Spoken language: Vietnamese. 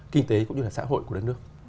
kinh tế cũng như là xã hội của đất nước